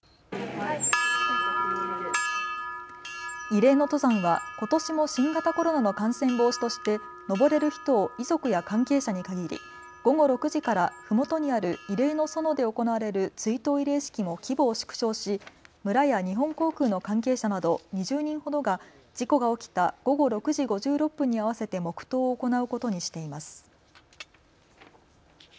慰霊の登山は、ことしも新型コロナの感染防止として登れる人を遺族や関係者に限り午後６時から、ふもとにある慰霊の園で行われる追悼慰霊式も規模を縮小し、村や日本航空の関係者など２０人ほどが事故が起きた午後６時５６分に合わせて黙とうを行うことにしています。